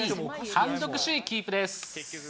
単独首位キープです。